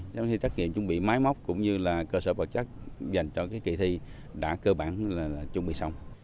giám thị trắc nghiệm chuẩn bị máy móc cũng như là cơ sở vật chất dành cho kỳ thi đã cơ bản chuẩn bị xong